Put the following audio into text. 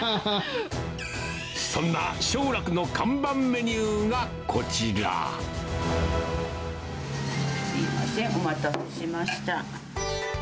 そんな勝楽の看板メニューがお待たせしました。